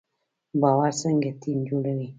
باور څنګه ټیم جوړوي؟